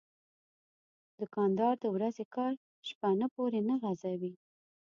دوکاندار د ورځې کار شپه نه پورې نه غځوي.